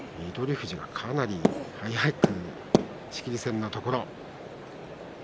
富士が、かなり早く仕切り線のところ。